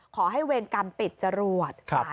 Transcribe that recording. ขอให้เวรกรรมติดจรวดหาธุ